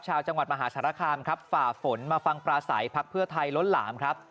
ชาวจังหวัดมหาสารคามครับฝ่าฝนมาฟังปลาใสพักเพื่อไทยล้นหลามครับ